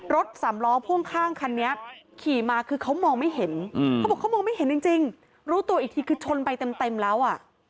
รถสามล้อพ่วงข้างคันนี้ขี่มาคือเขามองไม่เห็นเขาบอกเขามองไม่เห็นจริงรู้ตัวอีกทีคือชนไปเต็มแล้วอ่ะ